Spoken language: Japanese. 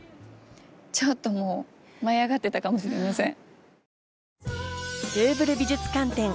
ちょっともう舞い上がってたかもしれません。